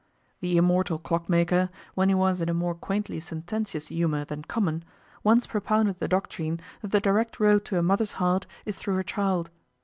The immortal clockmaker, when he was in a more quaintly sententious humor than common, once propounded the doctrine that the direct road to a mother's heart is through her child.